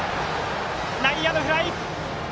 内野のフライ。